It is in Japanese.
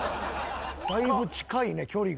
だいぶ近いね距離が。